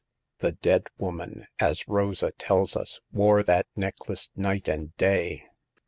The dead woman, as Rosa tells us, wore that necklace night and day.